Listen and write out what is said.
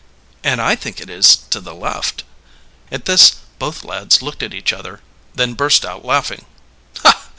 "And I think it is to the left." At this both lads looked at each other, then burst out laughing.